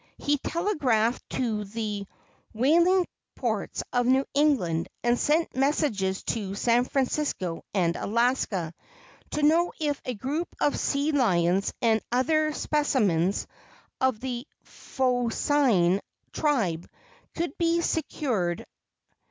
He telegraphed to the whaling ports of New England, and sent messages to San Francisco and Alaska, to know if a group of sea lions and other specimens of the phocine tribe could be secured.